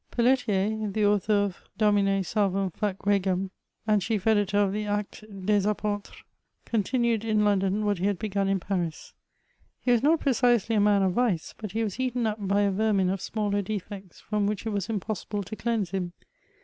Feja^tteRj the author of Domine salvum fac regeniy and chief editor of the Actes des ApStreSy continued in London what he had begun in Paris. He was not precisely a man of vice, but he was eaten up by a vermin of smaller defects, from which it was impossible to cleanse him.